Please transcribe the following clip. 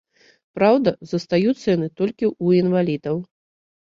Праўда, застаюцца яны толькі ў інвалідаў.